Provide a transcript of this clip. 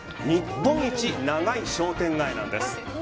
日本一長い商店街なんです。